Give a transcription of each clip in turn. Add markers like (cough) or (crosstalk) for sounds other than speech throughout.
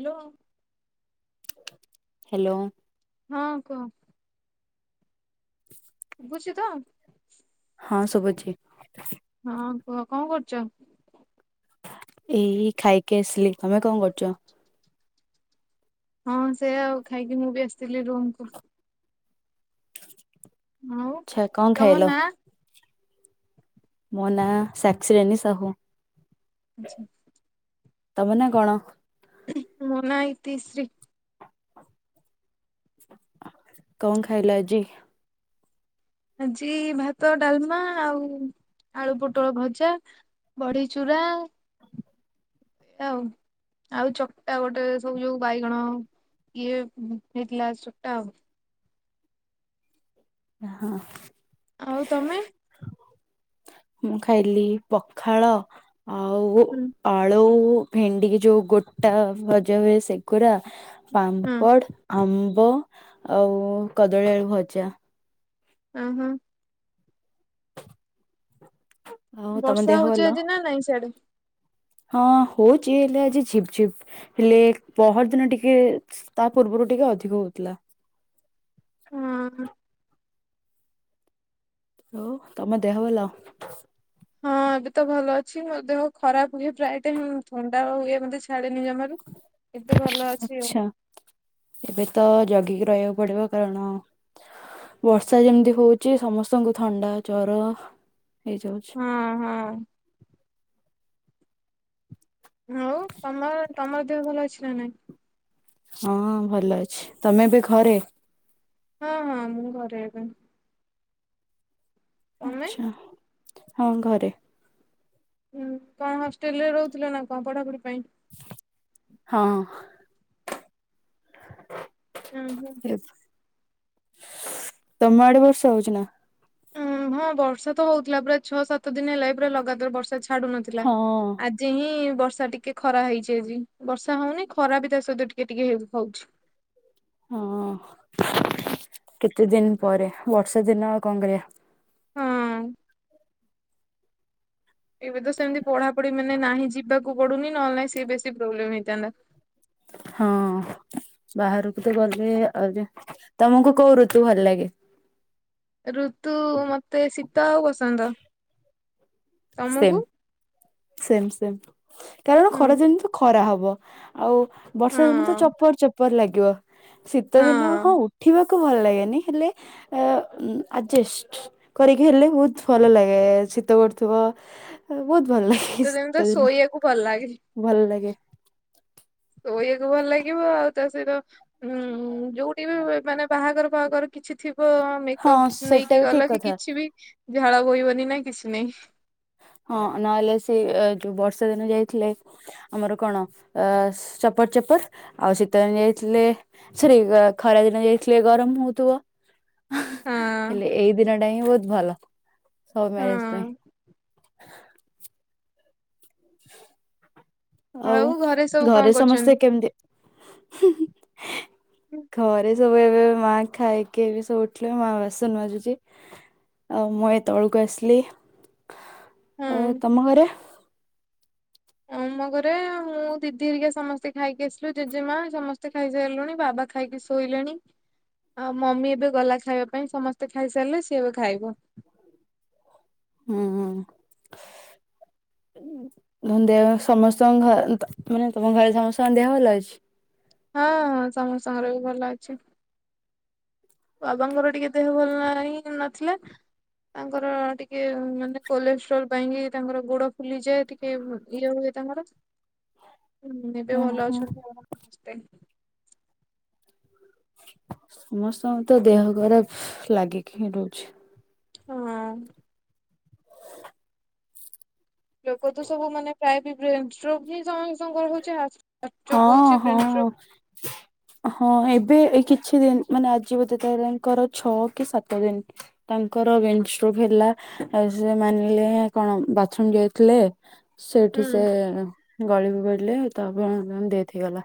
Hello. Hello. ହଁ କହ। (inaudible) (unintelligible) ତ? ହଁ ଶୁଭୁଛି। ହଁ କୁହ କଣ କରୁଚ? ଏଇ ଖାଇକି ଆସିଲି ତମେ କଣ କରୁଚ? ହଁ ସେ ଆଉ ଖାଇକି ମୁଁ ବି ଆସିଥିଲି ରୁମ କୁ। ଆଉ ଆଛା କଣ ତମ ଖାଇଲ? ନାଁ? ମୋ ନାଁ ସାକସ୍କ ରେନୀ ସାହୁ। ଆଛା। ତମ ନା କଣ? ମୋ ନା ଇତିଶ୍ରୀ। କଣ ଖାଇଲ ଆଜି? ଆଜି ଭାତ, ଡାଲମା ଆଉ ଆଳୁ ପୋଟଳ ଭଜା ବଢି ଚୁରା ଆଉ, ଆଉ ଚକଟା ଗୋଟେ, ସବୁ ଯୋଉ ବାଇଗଣ ଇଏ ମିଲା ସୁଟା ଆଉ ଏ ହଁ ଆଉ ତମେ? ମୁଁ ଖାଇଲି ପଖାଳ ଆଉ ହୁଁ ଆଳୁ ଭେଣ୍ଡି କୁ ଯୋଉ ଗୋଟା ଭଜା ହୁଏ, ସେଗୁରା ହଁ ପାମ୍ପଡ, ଆମ୍ବ ଆଉ କଦଳୀ ଆଳୁ ଭଜା। ଅ ହଁ। ଆଉ ତମ ବର୍ଷା ଦେହ ଭଲ ହଉଛି ଆଜି ନା ନାଇଁ ସିଆଡେ? ହଁ ହଉଛି ହେଲେ ଆଜି ଝିପ୍ ଝିପ୍ ହେଲେ ପହରଦିନ ଟିକେ ତା ପୂର୍ବରୁ ଟିକେ ଅଧିକ ହେଉଥିଲା। ହଁ। ଆଉ ତମ ଦେହ ଭଲ? ହଁ ଏବେ ତ ଭଲ ଅଛି। ମୋ ଦେହ ଖରାପ ହୁଏ ପ୍ରାୟ ଟାଇମ୍, ଥଣ୍ଡା ହୁଏ ମତେ ଛାଡେନି ଜମାରୁ। ଏବେ ଆଛା। ଭଲ ଅଛି ଆଉ ଏବେ ତ ଜଗିିକି ରହିବାକୁ ପଡିବ। କାରଣ ବର୍ଷା ଯେମିତି ହଉଛି ସମସ୍ତଙ୍କୁ ଥଣ୍ଡା ଜର ହେଇଯାଉଛି। ହଁ, ହଁ। ହଉ ତମର, ତମର ଦେହ ଭଲ ଅଛି ନା ନାଇଁ? ହଁ ଭଲ ଅଛି। ତମେ ବି ଘରେ? ହଁ-ହଁ ମୁଁ ଘରେ ଏବେ। ତମେ ଆଛା। ହଁ ଘରେ। ହୁଁ କଣ ହଷ୍ଟେଲ ରେ ରହୁଥିଲେ ନା କଣ ପଢାପଢି ପାଇଁ? ହଁ। ହୁଁ, ହୁଁ। ତମ ଆଡେ ବର୍ଷା ହଉଛି ନା? ଉଁ ହଁ ବର୍ଷା ତ ହଉଥିଲା। ପୁରା ଛଅ ସାତ ଦିନ ହେଲା, ପୁରା ଲଗାତାର ବର୍ଷା ଛାଡୁ ନଥିଲା। ହଁ ଆଜି ହିଁ ବର୍ଷା ଟିକେ ଖରା ହେଇଛି ଆଜି। ବର୍ଷା ହଉନି, ଖରା ବି ତା ସହିତ ଟିକେ ଟିକେ ହଉଛି। ହଁ କେତେ ଦିନ ପରେ। ବର୍ଷା ଦିନ ଆଉ କଣ କରିବା? ହଁ। ଏବେ ତ ସେମିତି ପଢାପଢି ମାନେ ନାହିଁ, ଯିବାକୁ ପଡୁନି ନହେଲେ ନାଇଁ ସେ ବେଶୀ ପ୍ରୋବ୍ଲେମ ହେଇଥାନ୍ତା। ହଁ ବାହାରକୁ ତ ଗଲେ ଆଉ ଯେ ତମକୁ କୋଉ ଋତୁ ଭଲ ଲାଗେ? ଋତୁ ମତେ ଶୀତ ଆଉ ବସନ୍ତ। ତମକୁ? Same same. କାରଣ ଖରା ହୁଁ। ଦିନେ ତ ଖରା ହବ। ଆଉ ବର୍ଷା ଦିନ ତ ହଁ ଚପର ଚପର ଲାଗିବ। ଶୀତ ଦିନ ହଉ ହଁ ଉଠିବା କୁ ଭଲ ଲାଗେନି। ହେଲେ ଆଜେଷ୍ଟ କରିକି ହେଲେ ବହୁତ ଭଲ ଲାଗେ। ଶୀତ କରୁଥିବ ବହୁତ ଭଲ ଲାଗେ ଶୀତଦିନେ ଶୀତ ତ ଦିନ ଶୋଇବାକୁ ଭଲ ଲାଗେ। ଭଲ ଲାଗେ। ସୋଇଆକୁ ଭଲ ଲାଗିବ। ଆଉ ତା ସହିତ ହୁଁ ଯୋଉଠି ବି ମାନେ ବାହାଘର ଫାହାଘର କିଛି ଥିବ ହଁ ମେକପ ସେଟା ବି ନେଇକି ଠିକ ଗଲ କି କଥା କିଛି ବି, ଝାଳ ବୋହିବନି ନା, କିଛି ନାଇଁ। ହଁ ନହେଲେ ସେ ଯୋଉ ବର୍ଷା ଦିନ ଯାଇଥିଲେ। ଆମର କଣ ଅ ଚପଟ ଚପଟ ଆଉ ଶୀତ ଦିନ ଯାଇଥିଲେ। ସରି ଖରା ଦିନ ଯାଇଥିଲେ ଗରମ ହଉଥିବ। ହଁ ହେଲେ ଏଇ ଦିନ ଟା ହିଁ ବହୁତ ଭଲ ସବୁ ମ୍ୟାରେଜ ପାଇଁ। ହଁ। ଆଉ ସବୁ କଣ ଘରେ ସମସ୍ତେ କରୁଛନ୍ତି? କେମିତି? ଘରେ ସବୁ ଏବେ ମାଆ ଖାଇକି ଏବେ ସବୁ ଉଠିଲେ ମା ବାସନ ମାଜୁଛି। ଆ ମୁଁ ଏଇ ତଳକୁ ଆସିଲି। ଆଉ ହୁଁ। ତମ ଘରେ? ଆମ ଘରେ ମୁଁ ଦିଦି ହେରିକା ସମସ୍ତେ ଖାଇକି ଆସିଲୁ ଜେଜେମା ସମସ୍ତେ ଖାଇସାରିଲୁଣି। ବାବା ଖାଇକି ଶୋଇଲେଣି। ଆଉ ମମି ଏବେ ଗଲା ଖାଇବା ପାଇଁ ସମସ୍ତେ ଖାଇସାରିଲେ ସିଏ ଏବେ ଖାଇବ। ହୁଁ ହୁଁ। ଦେହ ସମସ୍ତଙ୍କ ଘ ମାନେ ତମ ଘରେ ସମସ୍ତଙ୍କ ଦେହ ଭଲ ଅଛି? ହଁ-ହଁ ସମସ୍ତଙ୍କର ବି ଭଲ ଅଛି। ବାବାଙ୍କର ଟିକେ ଦେହ ଭଲ ନାହିଁ ନଥିଲା। ତାଙ୍କର ଟିକେ ମାନେ କୋଲେଷ୍ଟ୍ରୋଲ ପାଇଁକି ତାଙ୍କର ଗୋଡ ଫୁଲିଯାଏ ଟିକେ। କେ ଇଏ ହୁଏ ତୁମର। (inaudible) ହୁଁ ଏବେ ଭଲ ଓହୋ ଅଛନ୍ତି ଆମର ସମସ୍ତେ। ସମସ୍ତଙ୍କର ତ ଦେହ ଖରାପ ଲାଗିକି ହିଁ ରହୁଛି। ହଁ। ଲୋକ ତ ସବୁ ମାନେ ପ୍ରାୟ ବି ବ୍ରେନଷ୍ଟ୍ରୋକ୍ ହିଁ ସମ ର ହଉଚି ହାର୍ଟଚୋକ୍ ହଁ ହଉଚି, ହଁ ବ୍ରେନଷ୍ଟ୍ରୋକ (inaudible) ହଁ ଏବେ ଏ କିଛି ଦିନ ମାନେ ଆଜି ବୋଧେ ତାହେଲେଙ୍କର ଛଅ କି ସାତ ଦିନ। ତାଙ୍କର ବ୍ରେନ ଷ୍ଟ୍ରୋକ ହେଲା। ଆଉ ସେ ମାନିଲେ କଣ ବାଥରୁମ ଯାଇଥିଲେ ସେଇଠି ହୁଁ ସେ ଗଳିକୁ ଗଳିଲେ ତାପରେ ଡେଥ ହେଇ ଗଲା।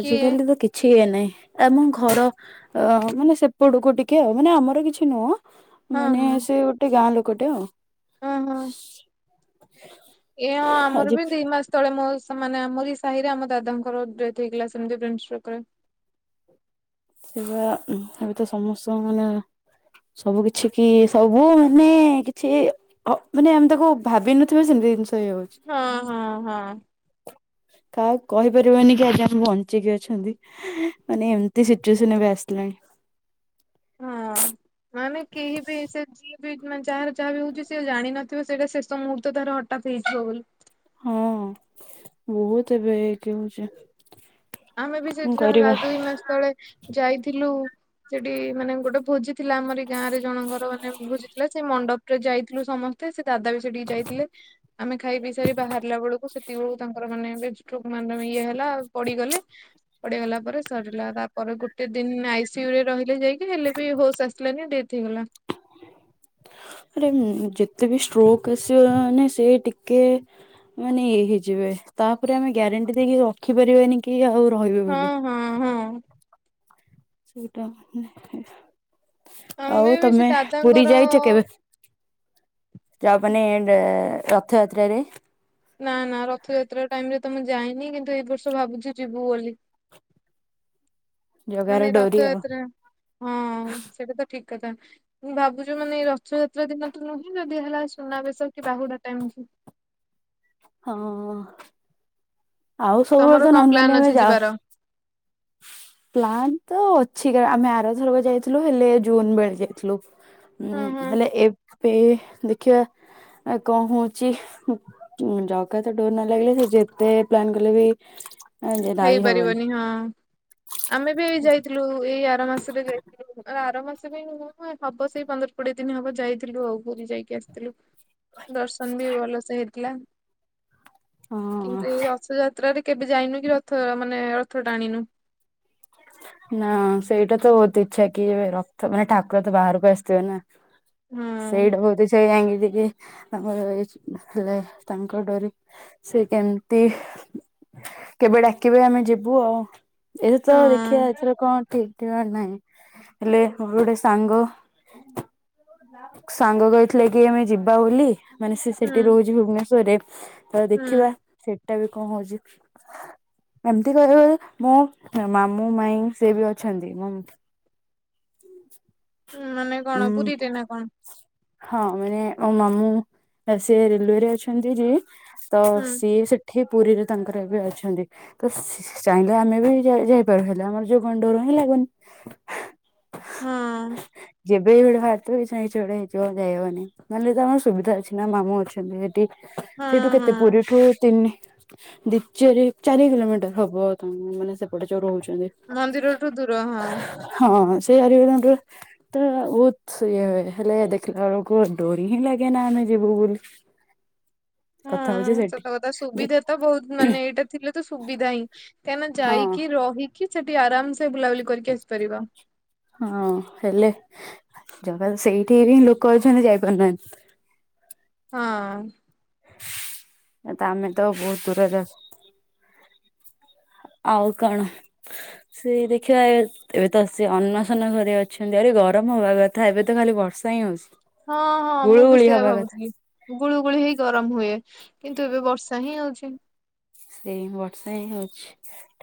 କିଏ ତ କି ଛି ଇଏ ନାହିଁ ଆମ ଘର ଅ ମାନେ ସେପଟକୁ ଟିକେ ଆଉ ମାନେ ଆମର କିଛି ନୁହଁ। ହଁ ମାନେ ହଁ ସେ ଗୋଟେ ଗାଁ ଲୋକଟେ ଆଉ। ଓହୋ ଏ ଆମର ଆଜି ବି ଦି ମାସ। ତଳେ ମୋ ସେମାନେ ଆମରି ସାହିରେ ଆମ ଦାଦାଙ୍କ ଡେଥ ହେଇଗଲା ସେମିତିରେ। ସେ ପା ଏବେ ତ ସମସ୍ତ ମାନେ ସବୁ କିଛି କି ସବୁ ମାନେ କିଛି ଅ ମାନେ ଆମେ ତାକୁ ଭାବିିନଥିବା ସେମିତି ଜିନିଷ ହେଇଯାଉଛି। ହଁ-ହଁ-ହଁ। କାହାକୁ କହିପାରିବାନି କି ଆଜି ଆମେ ବଞ୍ଚିକି ଅଛନ୍ତି। ମାନେ ଏମିତି ସିଚୁଏସନ ଏବେ ଆସିଲାଣି। ହଁ। ମାନେ କେହି ବି ସେ ଯିଏ ବି ମାନେ ଯାହାର ଯାହା ବି ହଉଛି ସେ ଜାଣିିନଥିବ ସେଇଟା ଶେଷ ମୁହୂର୍ତ୍ତ ତାର ହଠାତ୍ ହେଇଯିବ ବୋଲି। ହଁ ବହୁତ ଏବେ ଏକେ ହଉଛି। ଆମେ ବି କଣ ସେଠି ତାଙ୍କ କରିବା ଦୁଇ ମାସ ତଳେ ଯାଇଥିଲୁ। ସେଇଠି ମାନେ ଗୋଟେ ଭୋଜି ଥିଲା ଆମର ଏଇ ଗାଁ ରେ ଜଣଙ୍କର ମାନେ ଭୋଜିଥିଲା ସେ ମଣ୍ଡପ ରେ ଯାଇଥିଲୁ ସମସ୍ତେ। ସେ ଦାଦା ବି ସେଠିକି ଯାଇଥିଲେ ଆମେ ଖାଇ ପିଇସାରି ବାହାରିଲା ବେଳକୁ ସେ ସେତିକି ବେଳକୁ ତାଙ୍କର ମାନେ ବ୍ରେନଷ୍ଟ୍ରୋକ ମାନେ ଇଏ ହେଲା ଆଉ ପଡିଗଲେ। (inaudible) ପଡି ଗଲା ପରେ ସରିଲା ତାପରେ ଗୋଟେ ଦିନ ଆଇସିୟୁ ରେ ରହିଲେ ଯାଇକି ହେଲେ ବି ହୋସ୍ ଆସିଲାନି ଡେରି ହେଇଗଲା। ଆରେ ଯେତେ ବି ଷ୍ଟ୍ରୋକ ଆସିବ ସେ ଟିକେ ମାନେ ଇଏ ହେଇଯିବେ, ତାପରେ ଆମେ ଗ୍ୟାରେଣ୍ଟି ଦେଇକି ରଖିପାରିବେନି କି ଆଉ ରହିବେ ବୋଲି ହଁ ହଁ ହଁ ସେଟା ଆମେ ଆଉ ବି ସେ ତମେ ପୁରୀ ଦାଦାଙ୍କର ଯାଇଛ କେବେ? ଯ ମାନ ରଥଯାତ୍ରାରେରେ ନା ନା ରଥଯାତ୍ରା ଟାଇମ ରେ ତ ମୁଁ ଯାଇନି କିନ୍ତୁ ଏଇର୍ଷ ଭାବୁଛି ଯିବୁ ବୋଲି ଜଗାର ମାନେ ଡୋରି ଆଉ ରଥଯାତ୍ରା ହଁ, ସେଇଟା ତ ଠିକ କଥା। ମୁଁ ଭାବୁଛି ମାନେ ଏଇ ରଥଯାତ୍ରା ଦିନ ତ ନୁହେଁ ଯଦି ହେଲା ସୁନାବେେଶ କି ବାହୁଡା ଟାଇମ କି ହଁ ଅଁ ଆଉ ସବୁବେଳେ ତମର ତ କଣ ନରମାଲି ପ୍ଲାନ୍ ଆମେ ଅଛି ଯାଉ। ଯିବାର? ପ୍ଲାନ୍ ତ ଅଛି, ଆମେ ଆରଥରକ ଯାଇଥିଲୁ ହେଲେ ଜୁନ ବେଳେ ଯାଇଥିଲୁ। ହଁ ହୁଁ ହଁ ହେଲେ ଏବେ ଦେଖିବା ଆଉ କଣ ହଉଛି ଜକା ତ ଡୋର ନ ଲାଗିଲେ ସେ ଯେତେ ପ୍ଲାନ୍ କଲେ ବି ଯାଇ ହବନି। ହେଇପାରିବନି ହଁ, ଆମେ ବି ଏ ଯାଇଥିଲୁ। ଏଇ ଆର ମାସରେ ଯାଇଥିଲୁ, ଆର ମାସ ପାଇଁ ନୁ ହବ ସେଇ ପନ୍ଦର କୋଡିଏ ଦିନ ହବ ଯାଇଥିଲୁ ଆଉ ପୁରୀ ଯାଇଥିଲୁ। ଆସିଥିଲୁ, ଦର୍ଶନ ବି ଭଲସେ ହେଇଥିଲା। ହଁ କିନ୍ତୁ ଏଇ ରଥଯାତ୍ରାରେ କେବେ ଯାଇନୁ, କି ରଥ ମାନେ ରଥ ଟାଣିନୁ। ନା ସେଇଟା ତ ବହୁତ ଇଛା, କି ଏ ରକ୍ଥ ମାନେ ଠାକୁର ତ ବାହାରକୁ ଆସିଥିବେ ନା? ହଁ ସେଇଟା ବହୁତ ସେଇ ଆଙ୍ଗ ଟି ଆମର ଏଇ ହେଲେ ତାଙ୍କ ଡରି ସେ କେମିତି? କେବେ ଡାକିବେ ଆମେ ଯିବୁ ଆଉ ଏ ଶିକ୍ଷା ହଁ ଏଥିରେ କଣ ଠିକଠିକଣା ନାହିଁ, ହେଲେ ମୋର ଗୋଟେ ସାଙ୍ଗ ସାଙ୍ଗ କହିଥିଲେ କି ଆମେ ଯିବା ବୋଲି ମାନେ ସେ ହୁଁ ସେଠି ରହୁଛି ଭୁବନେଶ୍ଵରରେ ତ ହୁଁ ଦେଖିବା। ସେଟା ବି କଣ ହଉଛି ଏମିତି କହିବ ମୁଁ ମ ମୁଁ ମାଇ ସେ ବି ଅଛନ୍ତି ମ (inaudible) ଉଁ ମାନେ? କଣ ହୁଁ ଉଁ ପୁରୀରେ ନା କଣ ହଁ ମାନେ ମୋ ମାମୁଁ ସି ରେଲୱେରେ ଅଛନ୍ତି ଯେ ତ ହୁଁ ସିଏ ସେ ଏଠି ପୁରୀରେ ତାଙ୍କର ଏବେ ଅଛନ୍ତି। ତ ଚାହିଁଲେ ଆମେ ବି ଯାଇପାରୁ ହେଲା ଆମର ଯୋଉ ଗଣ୍ଡରୁ ହିଁ ଲାଗୁନି। ହଁ ଅଁ (unintelligible) ଯାଇହବନି ନହେଲେ ତ ଆମର ସୁବିଧା ଅଛି ନା ମାମୁଁ ଅଛନ୍ତି ସେଠି ହଁ ସେଇଠୁ କେତେ ହଁ ପୁରୀଠୁ ତିନି ଦ୍ୱିତୀୟରେ ଚାରି କିଲୋମିଟର ହବ, ତମ ମାନେ ସେପଟେ ଯୋଉ ରହୁଛ। ମନ୍ଦିରଠୁ ଦୂର ହଁ ହଁ ସେଇ (unintelligible) ତ ବତ ଇଏ ହେଲେ ଦେଖିଲା ବେଳକୁ ଡୋରି ହିଁ ଲାଗେ ନା, ଆମେ ଯିବୁ ବୋଲି (unintelligible) ହଉଛି ହୁଁ ସତ ସେଠି କଥା, ଯେ ସୁବିଧା ତ ବହୁତ ମାନେ ଏଇଟା ଥିଲେ ତ ସୁବିଧା ହିଁ, କାହିଁକିନା ହଁ ଯାଇକି ରହିକି ସେଠି ଆରାମସ ବୁଲାବୁଲି କରିକି ଆସିପାରିବ। ହଁ ହେଲେ ଜଗା କୁ ସେଇଠି ବିଁ ଲୋକ ଅଛନ୍ତି ଯାଇପାରୁନାହାନ୍ତି। ହଁ ଅଁ ତ ଆମେ ତ ବହୁତ ଦୂରରେ ଆ ଆଉ କଣ? ସେ ଦେଖିବା ଏବେ ତ ସେ ଅନ୍ନସନ୍ନ ଘରେ ଅଛନ୍ତି, ଆରେ ଗରମ ହବା କଥା, ଏବେ ତ ଖାଲି ବର୍ଷା ହିଁ ହଉଛି। ହଁ ହଁ ମୁଁ ବି ଗୁଳୁଗୁଳି ସେୟା ହବା କଥା ଭାବୁଥିଲି। ଗୁଳୁ ଗୁଳି ହେଇ ଗରମ ହୁଏ କିନ୍ତୁ ଏବେ ବର୍ଷା ହିଁ ହଉଛି। ସେଇ ବର୍ଷା ହିଁ ହଉଛି।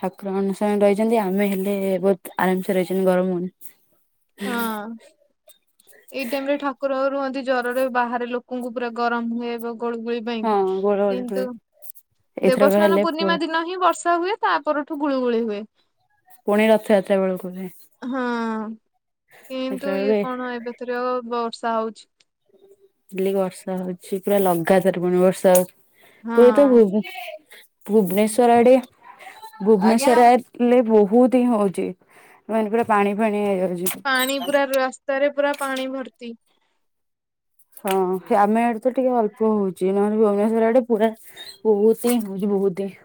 ଠାକୁର ଅଣସରରେ ରହିଛନ୍ତି ଆମେ ହେଲେ ବହୁତ ଆରାମସେ ରହିଛନ୍ତି, ଗରମ ହଉନି। ହଁ। ଏଇ ଟାଇମ ରେ ଠାକୁର ରୁହନ୍ତି ଜ୍ୱରରେ ବାହାରେ ଲୋକଙ୍କୁ ପୁରା ଗରମ ହୁଏ ଗୁଳୁଗୁଳି ହଁ ପାଇଁକି ଗୋଳଗୋଳି ହୁଏ କିନ୍ତୁ ଏଇଥରକ ଦେବସ୍ନାନ ହେଲେ ପୂର୍ଣ୍ଣିମା ପୁରା ଦିନ ହିଁ ବର୍ଷା ହୁଏ ତା ପରଠୁ ଗୁଳୁଗୁଳି ହୁଏ। ପୁଣି ରଥଯାତ୍ରା ବେଳକୁ ହୁଏ। ହଁ ଦେଖିଲା କିନ୍ତୁ ଇଏ ବେଳକୁ କଣ ଏବେ ଥରକ ବର୍ଷା ହଉଛି। ହେ ବର୍ଷା ହଉଛି ପୁରା ଲଗାତାର ପୁଣି ବର୍ଷା ହଉଛି ପୁରା ତ ହଁ। ଭୁବନେଶ୍ଵର ଆଡେ ଭୁବନେଶ୍ଵରରେ ବହୁତ ହିଁ ହଉଛି ମାନେ ପୁରା ପାଣି ଫାଣି ହେଇଯାଉଛି। ପାଣି ପୁରା ରାସ୍ତାରେ ପୁରା ପାଣି ଭର୍ତ୍ତି। ହଁ ସେ ଆମେ ଆଡେ ତ ଟିକେ ଅଳ୍ପ ହଉଛି ନହେଲେ ଭୁବନେଶ୍ୱର ଆଡେ ପୁରା ବହୁତ ହିଁ ହଉଛି ବହୁତ ହିଁ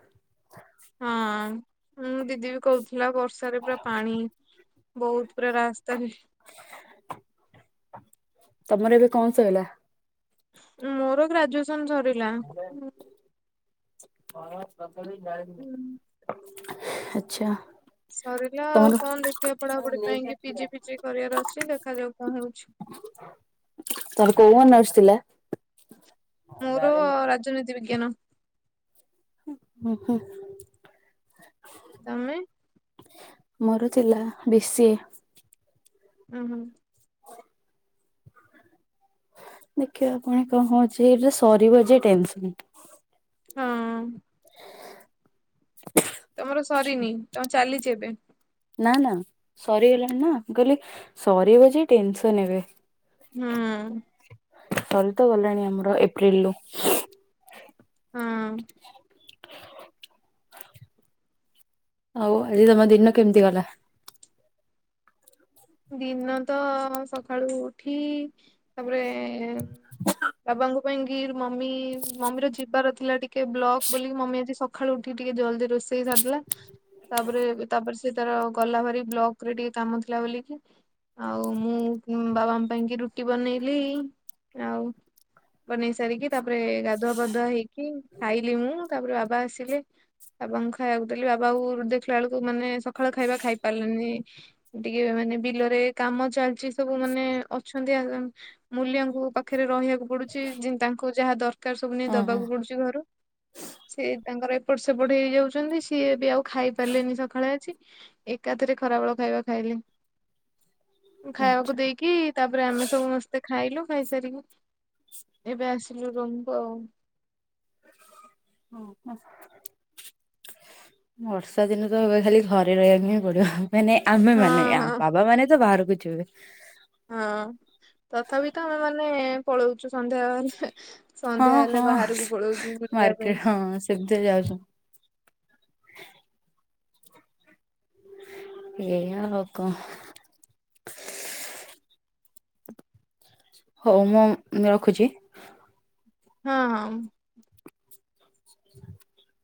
ହଁ ମୁଁ ଦିଦି ବି କହୁଥିଲା ବର୍ଷାରେ ପୁରା ପାଣି ବହୁତ ପୁରା ରାସ୍ତାରେ। ତମର ଏବେ କଣ ସଇଲା? ମୋର ଗ୍ରାଜୁଏସନ ସରିଲା। ଭାରତ ଯାଇ ହୁଁ। (unintelligible) ଆଚ୍ଛା। ସରିଲା ଆଉ ତମର କଣ ଦେଖିବା ପଢାପଢି ପାଇଁ କି ପିଜି ଫିଜି କରିବାର ଅଛି ଦେଖାଯାଉ କଣ ହଉଛି। ତାର କୋଉ ଅନରସ୍ ଥିଲା? ମୋର ରାଜନୀତି ବିଜ୍ଞାନ। (unintelligible) ତମେ? ମୋର ଥିଲା ବି ଶି ଏ। ଉଁ ହୁଁ। ଦେଖିବା ଆପଣ କଣ ହଉଚି ଏଟା ସରିବ ଯେ ଟେନସନ। ହଁ। ତମର ସରିନି ତମର ଚାଲିଛି ଏବେ? ନା ନା ସରିଗଲାଣି ନା କହିଲି ସରିବ ଯେ ଟେନସନ୍ ଏବେ। ହୁଁ। ସରି ତ ଗଲାଣି ଆମର ଏପ୍ରିଲ ରୁ। ହଁ। ହଉ ଆଜି ତମ ଦିନ କେମିତି ଗଲା? ଦିନ ତ ସକାଳୁ ଉଠି ତାପରେ ବାବାଙ୍କ ପାଇଁ କିି ମମି ମମି ର ଯିବାର ଥିଲା ଟିକେ ବ୍ଲକ ବୋଲି ମମି ଆଜି ସଖାଳୁ ଉଠିକି ଟିକେ ଜଲଦି ରୋଷେଇ ସାରିଲା। ତାପରେ ତାପରେ ସେ ତାର ଗଲା ଭାର ବ୍ଲକ ରେ ଟିକେ କାମ ଥିଲା ବୋଲିକି। ଆଉ ମୁଁ ବାବା ମା ପାଇଁ କି ରୁଟି ବନେଇଲି ଆଉ ବନେଇ ସାରିକି ତାପରେ ଗାଧୁଆ ପାଧୁଆ ହେଇକି ଖାଇଲି ମୁଁ ତାପରେ ବାବା ଆସିଲେ। ଏବଂ ଖାଇବାକୁ ଦେଲି ବାବା ଦେଖିଲା ବେଳକୁ ମାନେ ସକାଳ ଖାଇବା ଖାଇ ପାରିଲେନି। ଟିକେ ମାନେ ବିଲରେ କାମ ଚାଲିଛି ସବୁ ମାନେ ଅଛନ୍ତି ଆ ମୂଲ୍ୟଙ୍କ ପାଖରେ ରହିବାକୁ ପଡୁଛି ତାଙ୍କୁ ଯାହା ଦରକାର ସବୁ ନେଇ ହଁ ହଁ ଦବାକୁ ପଡୁଛି ଘରୁ ସିଏ ତାଙ୍କର ଏପଟ ସେପଟ ହେଇ ଯାଉଛନ୍ତି ସିଏ ଏବେ ଆଉ ଖାଇ ପାରିଲେନି ସକାଳେ ଆଜି। ଏକାଥରେ ଖରାବେଳ ଖାଇବା ଖାଇଲି। ଖାଇବାକୁ ଆଚ୍ଛା। ଦେଇକି ତାପରେ ଆମେ ସବୁ ସମସ୍ତେ ଖାଇଲୁ ଖାଇସାରିକି। ଏବେ ଆସିଲୁ ରୁମକୁ ଆଉ। ହଁ ଆ। ବର୍ଷା ଦିନ ତ ହ ଖାଲି ଘରେ ରହିବାକୁ ହିଁ ପଡିବ ମାନେ। ଆମେମାନେ ହଁ ହଁ ବାବା ମାନେ ତ ବାହାରକୁ ଯିବେ। ହଁ ତଥାପି ତ ଆମେ ମାନେ ପଳଉଚୁ ସନ୍ଧ୍ୟା ବାହାରିଲେ ସନ୍ଧ୍ୟା ହଁ ହେଲେ ହଁ ବାହାରକୁ ପଳଉଚୁ ବୁଲିବା ପାଇଁ। ଏବେ ଯାଉଚୁ। ଏଇଆ ଆଉ କ ଅଂ। ହଉ ମୁଁ ରଖୁଚି। ହଁ ହଁ। ହ